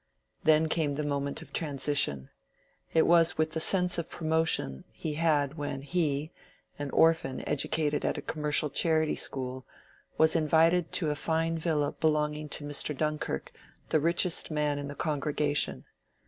Then came the moment of transition; it was with the sense of promotion he had when he, an orphan educated at a commercial charity school, was invited to a fine villa belonging to Mr. Dunkirk, the richest man in the congregation.